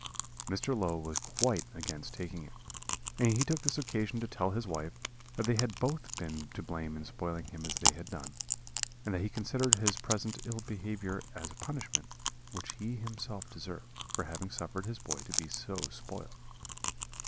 Mr. Low was quite against taking him, and he took this occasion to tell his wife that they had both been to blame in spoiling him as they had done, and that he considered his present ill behaviour as a punishment which he himself deserved, for having suffered his boy to be so spoiled.